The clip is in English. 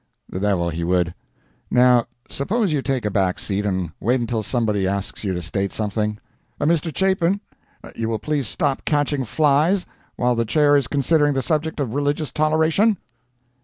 The devil he would. Now suppose you take a back seat, and wait until somebody asks you to state something. Mr. Chapin, you will please stop catching flies while the Chair is considering the subject of religious toleration.